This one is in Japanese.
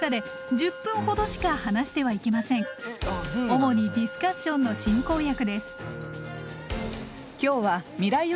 主にディスカッションの進行役です。